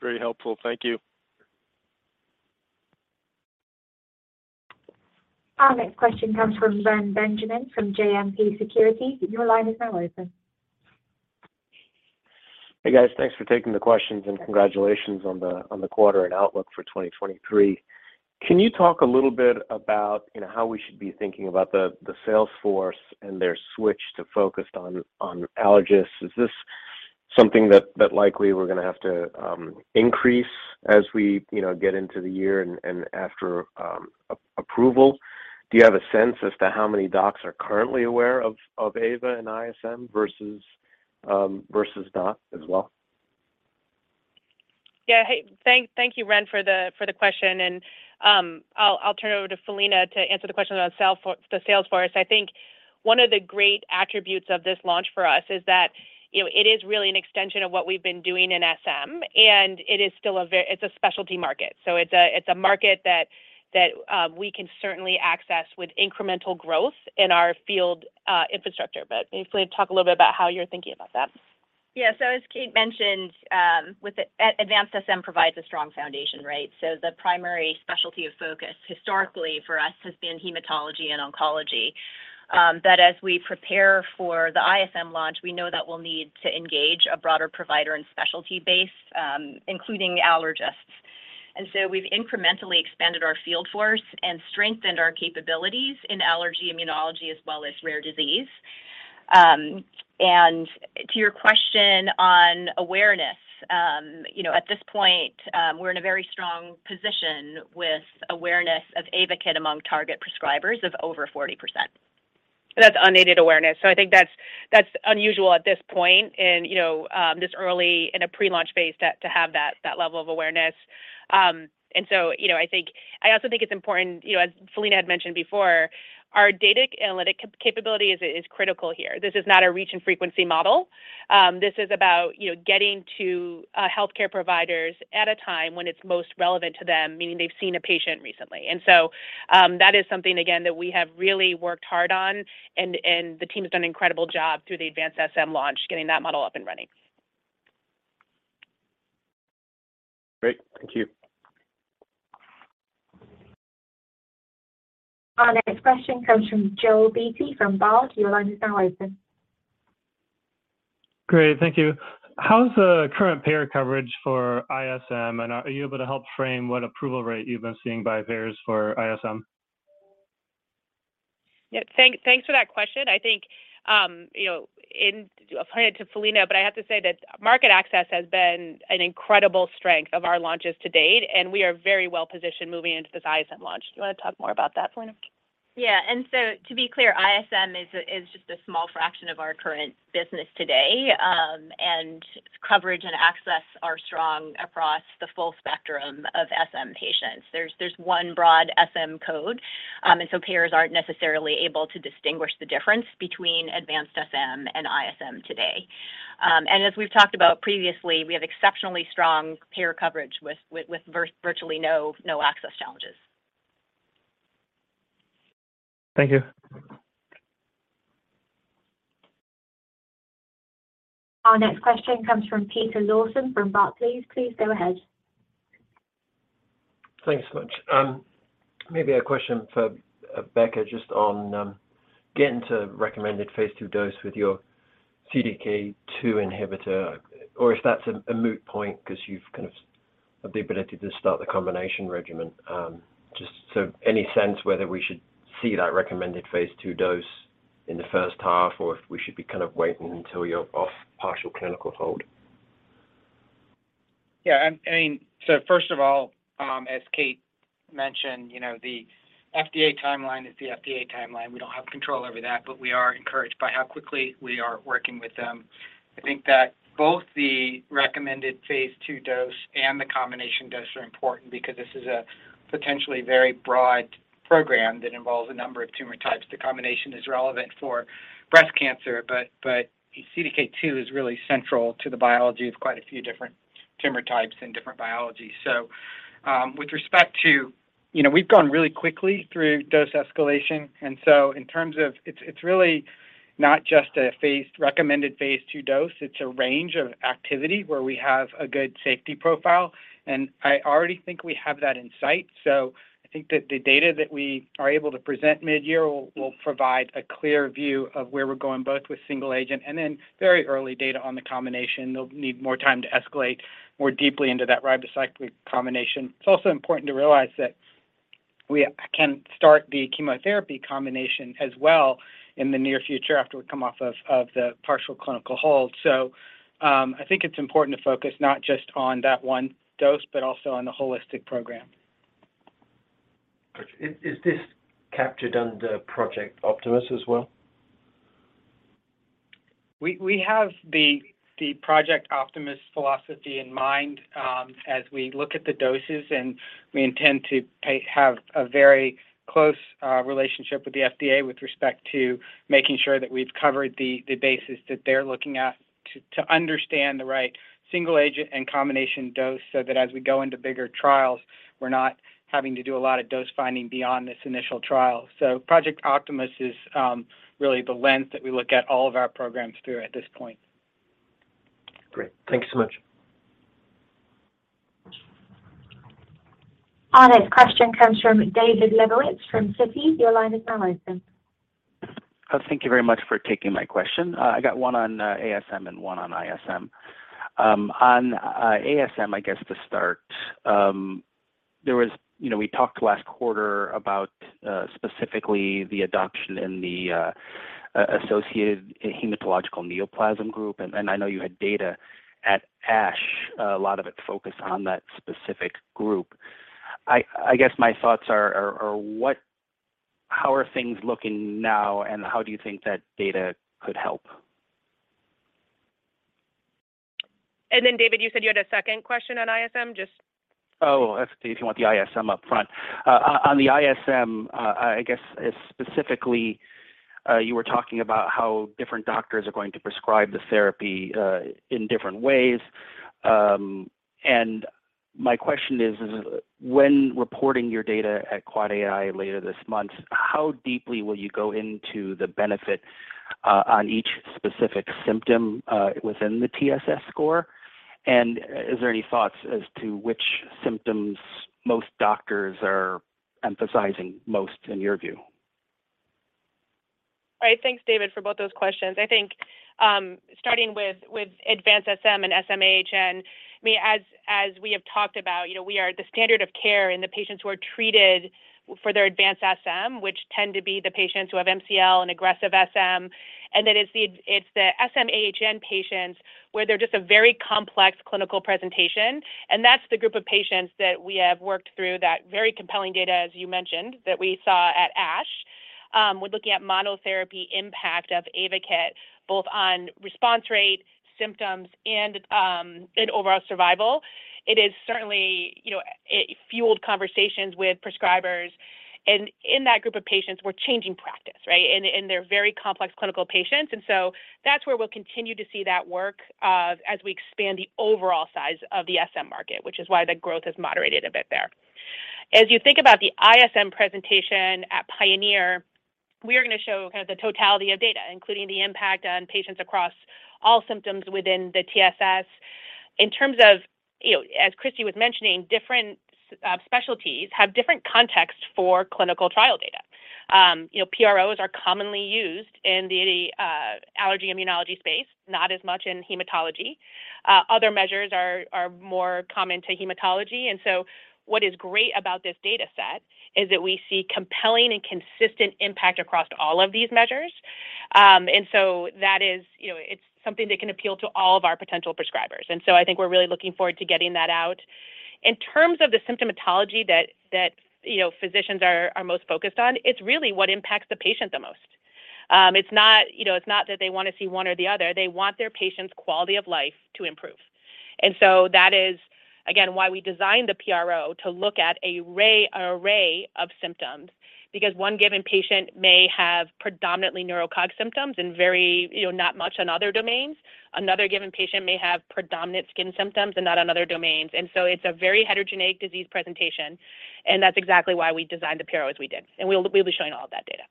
Very helpful. Thank you. Our next question comes from Reni Benjamin from JMP Securities. Your line is now open. Hey, guys. Thanks for taking the questions. Congratulations on the quarter and outlook for 2023. Can you talk a little bit about, you know, how we should be thinking about the sales force and their switch to focused on allergists? Is this something that likely we're gonna have to increase as we, you know, get into the year and after approval? Do you have a sense as to how many docs are currently aware of AYVA and ISM versus, versus not as well. Yeah. Hey, thank you, Reni, for the question, and I'll turn it over to Philina to answer the question about the sales force. I think one of the great attributes of this launch for us is that, you know, it is really an extension of what we've been doing in SM, and it is still a very. It's a specialty market. It's a market that we can certainly access with incremental growth in our field infrastructure. Maybe, Philina, talk a little bit about how you're thinking about that. Yeah. As Kate mentioned, advanced SM provides a strong foundation, right? The primary specialty of focus historically for us has been hematology and oncology. As we prepare for the ISM launch, we know that we'll need to engage a broader provider and specialty base, including allergists. We've incrementally expanded our field force and strengthened our capabilities in allergy immunology as well as rare disease. To your question on awareness, you know, at this point, we're in a very strong position with awareness of AYVAKIT among target prescribers of over 40%. That's unaided awareness. I think that's unusual at this point and, you know, this early in a pre-launch phase to have that level of awareness. You know, I also think it's important, you know, as Philina had mentioned before, our data analytic capability is critical here. This is not a reach and frequency model. This is about, you know, getting to healthcare providers at a time when it's most relevant to them, meaning they've seen a patient recently. That is something again that we have really worked hard on and the team has done an incredible job through the advanced SM launch, getting that model up and running. Great. Thank you. Our next question comes from Joe Beatty from Berenberg. Your line is now open. Great. Thank you. How's the current payer coverage for ISM, and are you able to help frame what approval rate you've been seeing by payers for ISM? Yeah. Thanks for that question. I think, you know, I'll point it to Philina, but I have to say that market access has been an incredible strength of our launches to date, and we are very well-positioned moving into this ISM launch. Do you wanna talk more about that, Philina? To be clear, ISM is just a small fraction of our current business today, and coverage and access are strong across the full spectrum of SM patients. There's one broad SM code, payers aren't necessarily able to distinguish the difference between advanced SM and ISM today. As we've talked about previously, we have exceptionally strong payer coverage with virtually no access challenges. Thank you. Our next question comes from Peter Lawson from Barclays. Please go ahead. Thanks so much. Maybe a question for Becker just on getting to recommended phase II dose with your CDK2 inhibitor or if that's a moot point 'cause you've kind of have the ability to start the combination regimen. Just any sense whether we should see that recommended phase II dose in the first half or if we should be kind of waiting until you're off partial clinical hold? Yeah. I mean, first of all, as Kate mentioned, you know, the FDA timeline is the FDA timeline. We don't have control over that, we are encouraged by how quickly we are working with them. I think that both the recommended phase II dose and the combination dose are important because this is a potentially very broad program that involves a number of tumor types. The combination is relevant for breast cancer, CDK2 is really central to the biology of quite a few different tumor types and different biologies. With respect to... You know, we've gone really quickly through dose escalation, in terms of... It's really not just a recommended phase II dose. It's a range of activity where we have a good safety profile, I already think we have that in sight. I think that the data that we are able to present midyear will provide a clear view of where we're going both with single agent and then very early data on the combination. They'll need more time to escalate more deeply into that ribociclib combination. It's also important to realize that we can start the chemotherapy combination as well in the near future after we come off of the partial clinical hold. I think it's important to focus not just on that one dose but also on the holistic program. Gotcha. Is this captured under Project Optimus as well? We have the Project Optimus philosophy in mind, as we look at the doses, and we intend to have a very close relationship with the FDA with respect to making sure that we've covered the bases that they're looking at to understand the right single agent and combination dose so that as we go into bigger trials, we're not having to do a lot of dose finding beyond this initial trial. Project Optimus is really the lens that we look at all of our programs through at this point. Great. Thank you so much. Our next question comes from David Lebowitz from Citigroup. Your line is now open. Thank you very much for taking my question. I got one on ASM and one on ISM. On ASM, I guess to start, You know, we talked last quarter about specifically the adoption in the associated hematological neoplasm group. I know you had data at ASH, a lot of it focused on that specific group. I guess my thoughts are How are things looking now, and how do you think that data could help? David, you said you had a second question on ISM. Oh, if you want the ISM up front. On the ISM, I guess specifically, you were talking about how different doctors are going to prescribe the therapy in different ways. My question is when reporting your data at AAAAI later this month, how deeply will you go into the benefit on each specific symptom within the TSS score? Is there any thoughts as to which symptoms most doctors are emphasizing most in your view? All right. Thanks, David, for both those questions. I think, starting with advanced SM and SMHN, as we have talked about, you know, we are the standard of care in the patients who are treated for their advanced SM, which tend to be the patients who have MCL and aggressive SM. It's the SMHN patients where they're just a very complex clinical presentation. That's the group of patients that we have worked through that very compelling data, as you mentioned, that we saw at ASH. We're looking at monotherapy impact of AYVA, both on response rate, symptoms and overall survival. It is certainly, you know, it fueled conversations with prescribers. In that group of patients, we're changing practice, right? They're very complex clinical patients. That's where we'll continue to see that work as we expand the overall size of the SM market, which is why the growth has moderated a bit there. As you think about the ISM presentation at PIONEER, we are going to show the totality of data, including the impact on patients across all symptoms within the TSS. In terms of, you know, as Christy was mentioning, different specialties have different contexts for clinical trial data. You know, PROs are commonly used in the allergy immunology space, not as much in hematology. Other measures are more common to hematology. What is great about this data set is that we see compelling and consistent impact across all of these measures. That is, you know, it's something that can appeal to all of our potential prescribers. I think we're really looking forward to getting that out. In terms of the symptomatology that, you know, physicians are most focused on, it's really what impacts the patient the most. It's not, you know, it's not that they want to see one or the other. They want their patient's quality of life to improve. That is, again, why we designed the PRO to look at an array of symptoms, because one given patient may have predominantly neurocog symptoms and very, you know, not much on other domains. Another given patient may have predominant skin symptoms and not on other domains. It's a very heterogeneous disease presentation, and that's exactly why we designed the PRO as we did. We'll be showing all that data.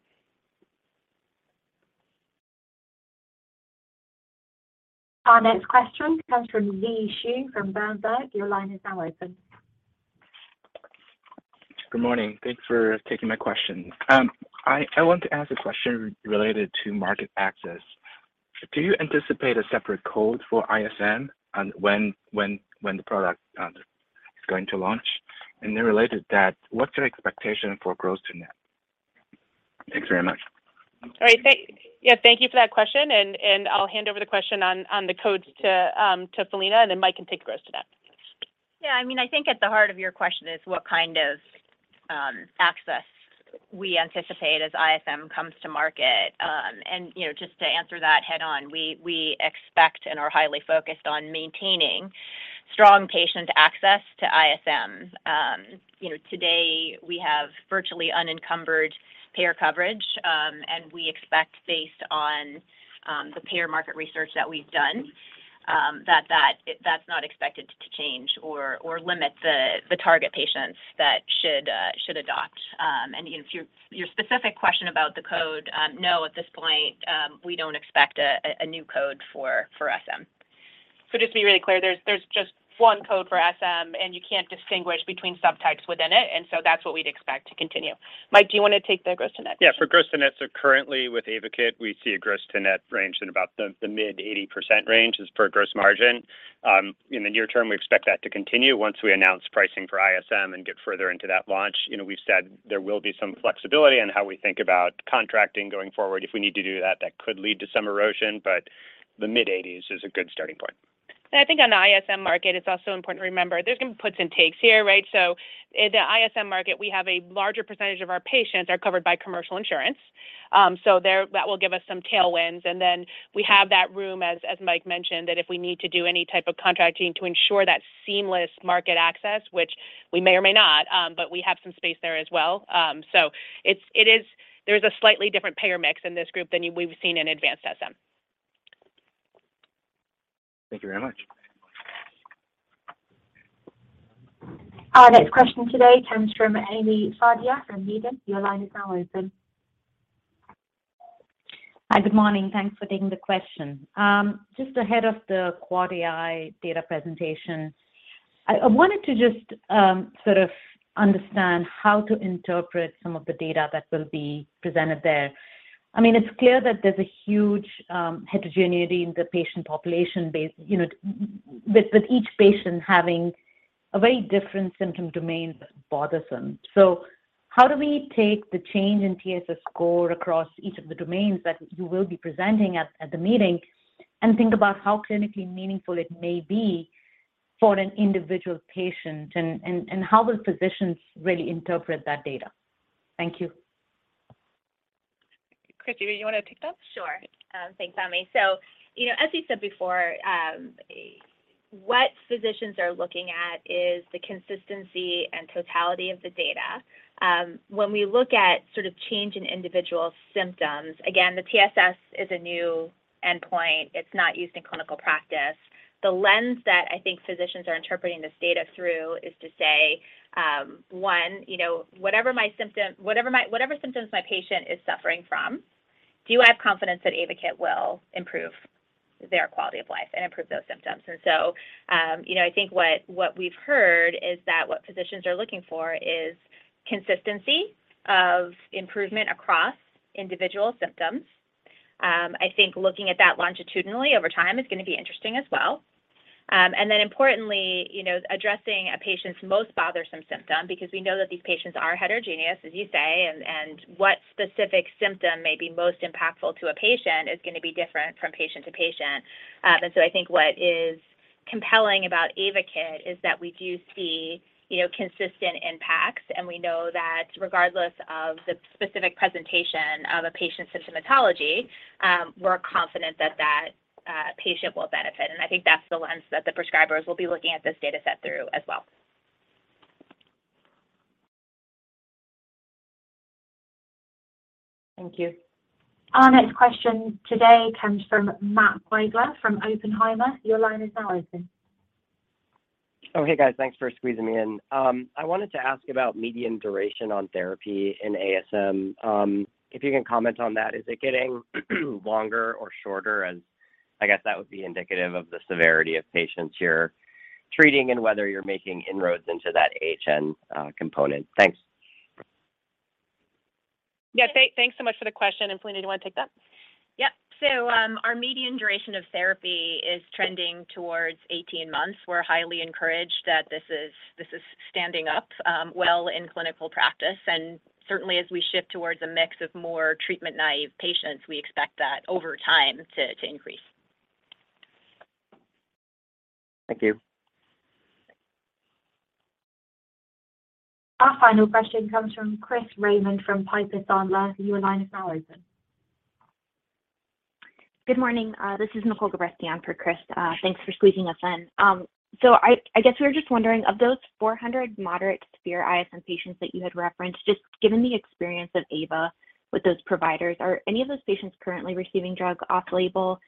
Our next question comes from Zhiqiang Shu from Berenberg. Your line is now open. Good morning. Thanks for taking my question. I want to ask a question related to market access. Do you anticipate a separate code for ISM and when the product is going to launch? Related to that, what's your expectation for growth to net? Thanks very much. All right. Yeah, thank you for that question. I'll hand over the question on the codes to Philina, Mike can take the growth to net. Yeah. I mean, I think at the heart of your question is what kind of access we anticipate as ISM comes to market. You know, just to answer that head on, we expect and are highly focused on maintaining strong patient access to ISM. You know, today we have virtually unencumbered payer coverage, and we expect based on the payer market research that we've done, that's not expected to change or limit the target patients that should adopt. To your specific question about the code, no, at this point, we don't expect a new code for SM. Just to be really clear, there's just one code for SM. You can't distinguish between subtypes within it. That's what we'd expect to continue. Mike, do you want to take the growth to net? For growth to net, currently with AYVAKIT, we see a gross to net range in about the mid-80% range as per gross margin. In the near term, we expect that to continue once we announce pricing for ISM and get further into that launch. You know, we've said there will be some flexibility on how we think about contracting going forward. If we need to do that could lead to some erosion, but the mid-80s is a good starting point. I think on the ISM market, it's also important to remember there's going to be puts and takes here, right? In the ISM market, we have a larger percentage of our patients are covered by commercial insurance. There, that will give us some tailwinds. Then we have that room, as Mike mentioned, that if we need to do any type of contracting to ensure that seamless market access, which we may or may not, but we have some space there as well. It's, it is. There's a slightly different payer mix in this group than we've seen in advanced SM. Thank you very much. Our next question today comes from Ami Fadia from Needham. Your line is now open. Hi, good morning. Thanks for taking the question. Just ahead of the AAAAI data presentation, I wanted to just sort of understand how to interpret some of the data that will be presented there. I mean, it's clear that there's a huge heterogeneity in the patient population base, you know, with each patient having a very different symptom domain that bothers them. So how do we take the change in TSS score across each of the domains that you will be presenting at the meeting and think about how clinically meaningful it may be for an individual patient and how will physicians really interpret that data? Thank you. Christy Rossi, do you wanna pick it up? Sure. Thanks, Ami. You know, as you said before, what physicians are looking at is the consistency and totality of the data. When we look at sort of change in individual symptoms, again, the TSS is a new endpoint. It's not used in clinical practice. The lens that I think physicians are interpreting this data through is to say, one, you know, whatever symptoms my patient is suffering from, do I have confidence that AYVAKIT will improve their quality of life and improve those symptoms? You know, I think what we've heard is that what physicians are looking for is consistency of improvement across individual symptoms. I think looking at that longitudinally over time is gonna be interesting as well. importantly, you know, addressing a patient's most bothersome symptom because we know that these patients are heterogeneous, as you say, and what specific symptom may be most impactful to a patient is gonna be different from patient to patient. I think what is compelling about AYVAKIT is that we do see, you know, consistent impacts, and we know that regardless of the specific presentation of a patient's symptomatology, we're confident that patient will benefit. I think that's the lens that the prescribers will be looking at this data set through as well. Thank you. Our next question today comes from Jay Olson from Oppenheimer. Your line is now open. Oh, hey, guys. Thanks for squeezing me in. I wanted to ask about median duration on therapy in SM. If you can comment on that, is it getting longer or shorter? I guess that would be indicative of the severity of patients you're treating and whether you're making inroads into that HN component. Thanks. Yeah. Thanks so much for the question. Philina, do you wanna take that? Yep. Our median duration of therapy is trending towards 18-months. We're highly encouraged that this is standing up well in clinical practice. Certainly as we shift towards a mix of more treatment-naive patients, we expect that over time to increase. Thank you. Our final question comes from Christopher Raymond from Piper Sandler. Your line is now open. Good morning. This is Nicole Gabreski for Chris. Thanks for squeezing us in. I guess we were just wondering, of those 400 moderate-to-severe ISM patients that you had referenced, just given the experience of AYVA with those providers, are any of those patients currently receiving drug off-label?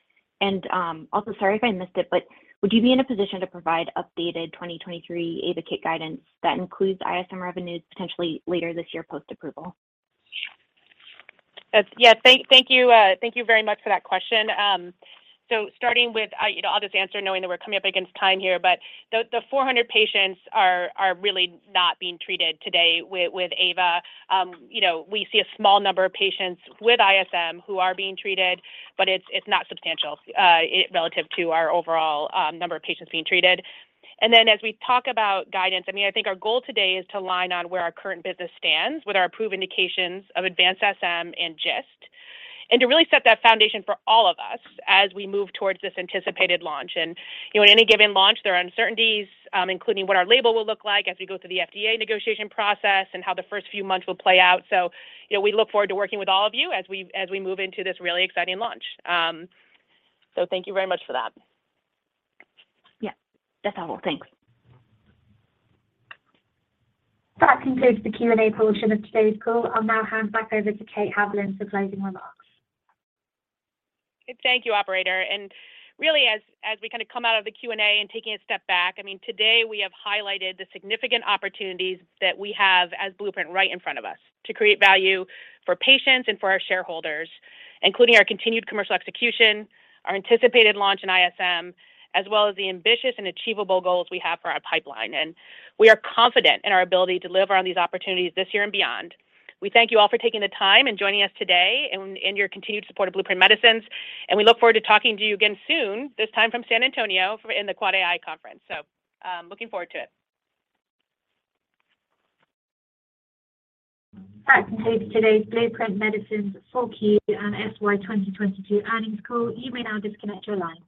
Also sorry if I missed it, but would you be in a position to provide updated 2023 AYVAKIT guidance that includes ISM revenues potentially later this year post-approval? That's Yeah. Thank you, thank you very much for that question. Starting with, I, you know, I'll just answer knowing that we're coming up against time here. The 400 patients are really not being treated today with AYVA. You know, we see a small number of patients with ISM who are being treated, but it's not substantial relative to our overall number of patients being treated. As we talk about guidance, I mean, I think our goal today is to align on where our current business stands with our approved indications of advanced SM and GIST, and to really set that foundation for all of us as we move towards this anticipated launch. You know, in any given launch, there are uncertainties, including what our label will look like as we go through the FDA negotiation process and how the first few months will play out. You know, we look forward to working with all of you as we move into this really exciting launch. Thank you very much for that. Yeah. That's all. Thanks. That concludes the Q&A portion of today's call. I'll now hand back over to Kate Haviland for closing remarks. Thank you, operator. Really as we kinda come out of the Q&A and taking a step back, I mean, today we have highlighted the significant opportunities that we have as Blueprint right in front of us to create value for patients and for our shareholders, including our continued commercial execution, our anticipated launch in ISM, as well as the ambitious and achievable goals we have for our pipeline. We are confident in our ability to deliver on these opportunities this year and beyond. We thank you all for taking the time and joining us today and your continued support of Blueprint Medicines. We look forward to talking to you again soon, this time from San Antonio in the AAAAI conference. So, looking forward to it. That concludes today's Blueprint Medicines's 4Q and FY 2022 earnings call. You may now disconnect your line.